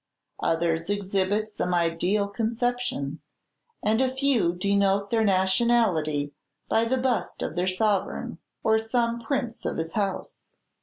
Others exhibit some ideal conception; and a few denote their nationality by the bust of their sovereign, or some prince of his house.